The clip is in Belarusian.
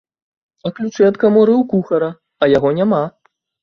А ключы ад каморы ў кухара, а яго няма.